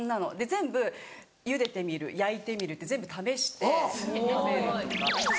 全部ゆでてみる焼いてみるって全部試して食べるとか。